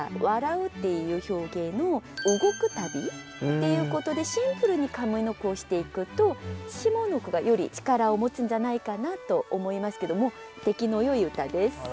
「笑う」っていう表現を「動く度」っていうことでシンプルに上の句をしていくと下の句がより力を持つんじゃないかなと思いますけども出来のよい歌です。